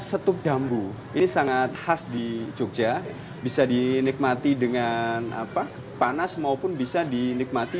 setup bambu ini sangat khas di jogja bisa dinikmati dengan apa panas maupun bisa dinikmati